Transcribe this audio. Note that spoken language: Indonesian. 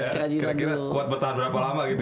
kira kira kuat bertahan berapa lama gitu